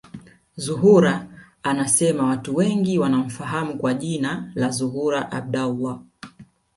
Zuhura anasema watu wengi wanamfahamu kwa jina la Zuhura Abdallah